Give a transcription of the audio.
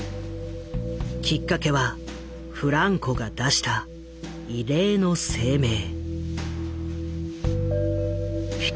きっかけはフランコが出した異例の声明。